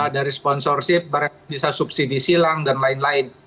dari sponsorship bisa subsidi silang dan lain lain